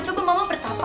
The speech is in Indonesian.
coba mama bertapa